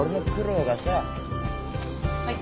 はい。